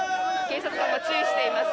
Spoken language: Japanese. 警察官が注意しています。